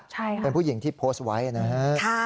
ใช่ค่ะเป็นผู้หญิงที่โพสต์ไว้นะฮะ